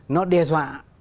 nó đe dọa